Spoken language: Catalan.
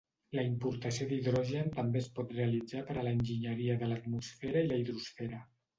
La importació d'hidrogen també es pot realitzar per a l'enginyeria de l'atmosfera i la hidrosfera.